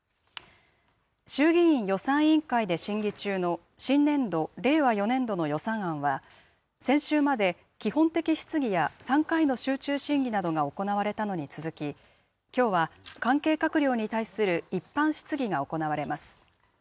衆議院予算委員会で審議中の新年度・令和４年度の予算案は、先週まで基本的質疑や３回の集中審議などが行われたのに続き、きょうは関係閣僚に対する一般質疑が行われます。